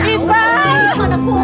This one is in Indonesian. ikan si jauh